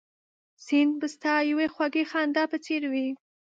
سیند به ستا یوې خوږې خندا په څېر وي